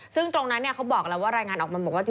ซึ่งตรงนั้นเขาบอกแล้วว่ารายงานออกมาบอกว่า